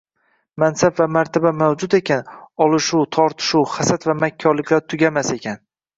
Mansab va martaba mavjud ekan, olishuv, tortishuv, hasad va makkorliklar tugamas ekan.